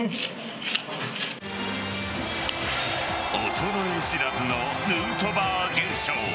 衰え知らずのヌートバー現象。